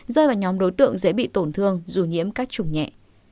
rơi vào nhóm đối tượng dễ bị tổn thương dù nhiễm các chủng nhẹ